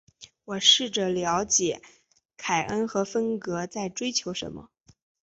我试着了解凯恩和芬格在追求什么。